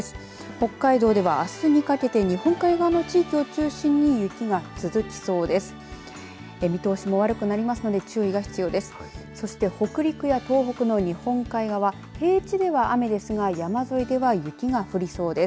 北海道ではあすにかけて日本海側の地域を中心に雪が続きそうです。